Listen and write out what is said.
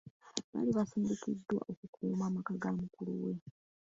Baali baasindikibwa okukuuma amaka ga mukulu we.